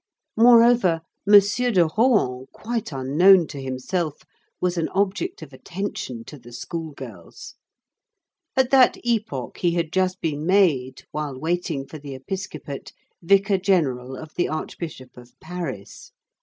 Moreover, M. de Rohan, quite unknown to himself, was an object of attention to the school girls. At that epoch he had just been made, while waiting for the episcopate, vicar general of the Archbishop of Paris.